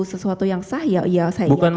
sesuatu yang sah ya saya ingat bukan